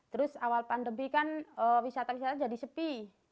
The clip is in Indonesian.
terus awal pandemi kan wisata wisata jadi sepi